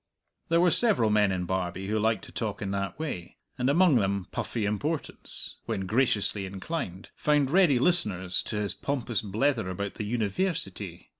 There were several men in Barbie who liked to talk in that way, and among them Puffy Importance, when graciously inclined, found ready listeners to his pompous blether about the "Univairsity."